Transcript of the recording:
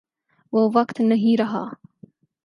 وہ وقت نہیں رہا۔